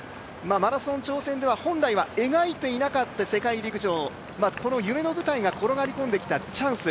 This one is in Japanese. マラソン挑戦では本来は描いていなかった世界陸上この夢の舞台が転がり込んできたチャンス